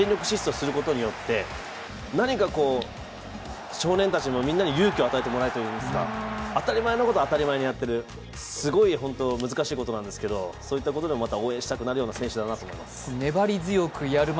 こうやって一塁まで全力疾走することによって少年たちに勇気を与えるといいますか、当たり前のことを当たり前にやっている、すごい難しいことなんですけど、そういったことでまた応援したくなるような選手だなと思います。